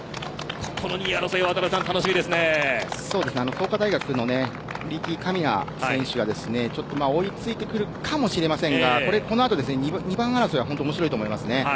ここの２位争いは創価大学のリーキー・カミナ選手がちょっと追いついてくるかもしれませんがこのあと２番争いは面白いと思います。